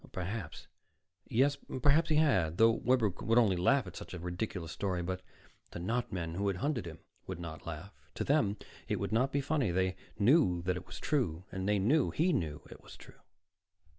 Perhaps yes, perhaps he had, though Webber would only laugh at such a ridiculous story. But the not men who had hunted him would not laugh; to them, it would not be funny. They knew that it was true. And they knew he knew it was true.